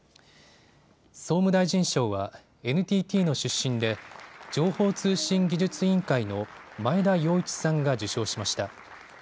総務大臣賞はＮＴＴの出身で情報通信技術委員会の前田洋一さんが受賞しました。